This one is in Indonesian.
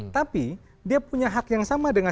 tapi dia punya hak yang sama dengan